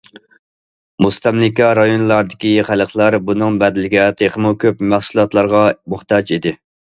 مۇستەملىكە رايونلاردىكى خەلقلەر بۇنىڭ بەدىلىگە تېخىمۇ كۆپ مەھسۇلاتلارغا موھتاج ئىدى.